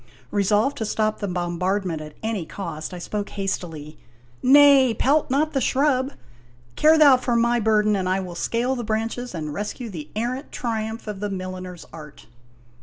Resolved to stop the bombardment at any cost, I spoke hastily :" Nay, pelt not the shrub ! Care thou for my burden, and I will scale the branches and rescue the errant triumph of the milliner's art